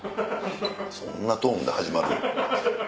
そんなトーンで始まる？